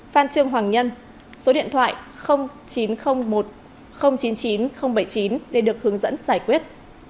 phan trương hoàng nhân số điện thoại chín trăm linh một chín mươi chín bảy mươi chín để được hướng dẫn giải quyết